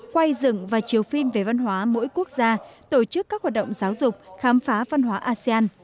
quay dựng và chiếu phim về văn hóa mỗi quốc gia tổ chức các hoạt động giáo dục khám phá văn hóa asean